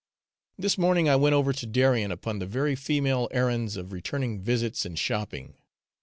This morning I went over to Darien upon the very female errands of returning visits and shopping.